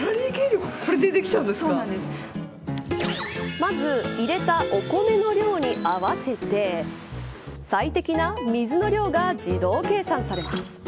まず入れたお米の量に合わせて最適な水の量が自動計算されます。